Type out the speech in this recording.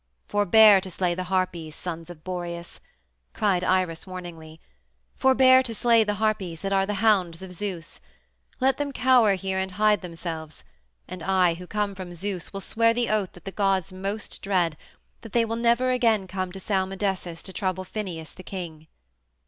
"Forbear to slay the Harpies, sons of Boreas," cried Iris warningly, "forbear to slay the Harpies that are the hounds of Zeus. Let them cower here and hide themselves, and I, who come from Zeus, will swear the oath that the gods most dread, that they will never again come to Salmydessus to trouble Phineus, the king."